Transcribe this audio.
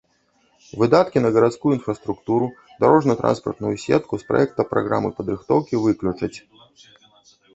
Выдаткі на гарадскую інфраструктуру, дарожна-транспартную сетку з праекта праграмы падрыхтоўкі выключаць.